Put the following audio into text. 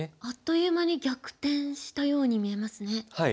あっという間に逆転したように見えますね。